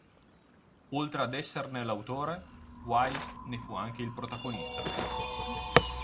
Oltre ad esserne l'autore, Wise ne fu anche il protagonista.